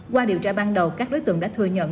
qua điều tra ban đầu các đối tượng đã thừa nhận